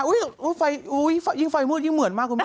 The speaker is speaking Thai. อุ๊ยไฟอุ๊ยยิ่งไฟมืดยิ่งเหมือนมากกว่าแม่